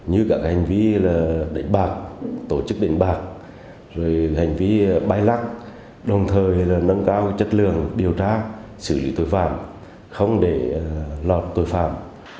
hành vi đánh bạc tổ chức đánh bạc hành vi bay lắc đồng thời nâng cao chất lượng điều tra xử lý tội phạm không để lọt tội phạm